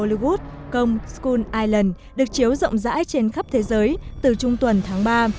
và bộ phim hollywood công school island được chiếu rộng rãi trên khắp thế giới từ trung tuần tháng ba